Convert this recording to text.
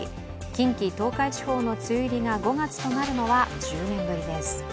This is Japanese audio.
近畿・東海地方の梅雨入りが５月となるのは１０年ぶりです。